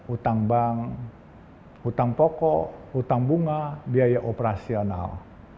utang bank utang pokok utang bunga biaya operasional